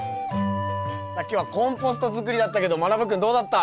さあ今日はコンポストづくりだったけどまなぶ君どうだった？